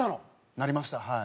なりましたはい。